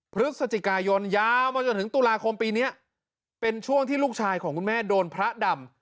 พฤศจิกายนยาวมาจนถึงตุลาคมปีนี้เป็นช่วงที่ลูกชายของคุณแม่โดนพระดำ